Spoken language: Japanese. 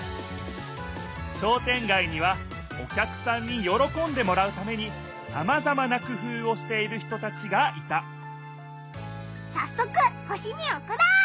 商店街にはお客さんによろこんでもらうためにさまざまなくふうをしている人たちがいたさっそく星におくろう！